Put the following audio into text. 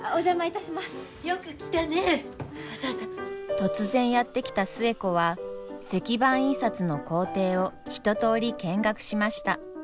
突然やって来た寿恵子は石版印刷の工程を一とおり見学しました。